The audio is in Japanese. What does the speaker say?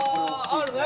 あるね！